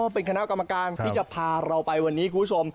เป็นคณะกรรมการที่จะพาเราไปวันนี้คุณผู้ชม